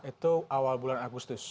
itu awal bulan agustus